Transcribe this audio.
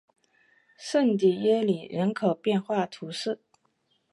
圣蒂耶里人口变化图示